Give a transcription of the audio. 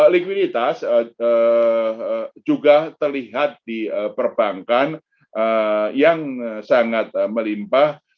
likuiditas juga terlihat di perbankan yang sangat melimpah